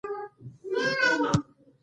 د جمعې پر ورځ مې له اکا سره خبرې وکړې.